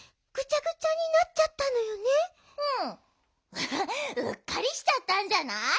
アハッうっかりしちゃったんじゃない？